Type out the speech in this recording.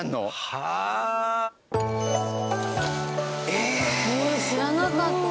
へえ知らなかった。